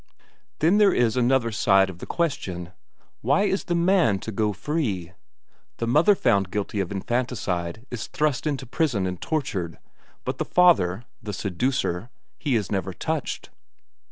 "Then there is another side of the question. Why is the man to go free? The mother found guilty of infanticide is thrust into prison and tortured, but the father, the seducer, he is never touched.